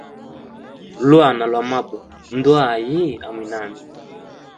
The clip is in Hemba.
Lwana lwa mabo ndwa ayi a mwinami?